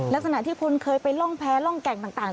ลักษณะที่คนเคยไปร่องแพ้ร่องแก่งต่าง